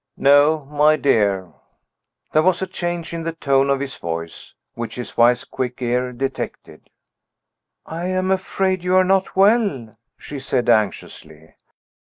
"No, my dear." There was a change in the tone of his voice, which his wife's quick ear detected. "I am afraid you are not well," she said anxiously.